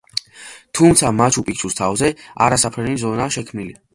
თუმცა, მაჩუ-პიქჩუს თავზე არასაფრენი ზონაა შექმნილი.